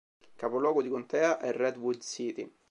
Capoluogo di contea è Redwood City.